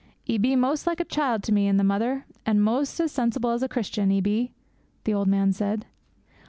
'"'E be mos' like a child to me and the mother, an' mos' as sensible as a Christian, 'e be," the old man said.'